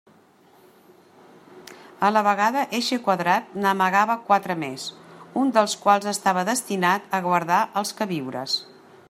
A la vegada eixe quadrat n'amagava quatre més, un dels quals estava destinat a guardar els queviures.